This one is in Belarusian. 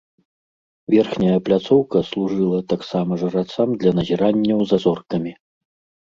Верхняя пляцоўка служыла таксама жрацам для назіранняў за зоркамі.